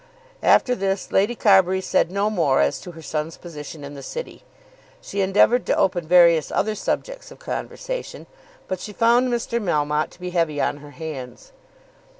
After this Lady Carbury said no more as to her son's position in the city. She endeavoured to open various other subjects of conversation; but she found Mr. Melmotte to be heavy on her hands.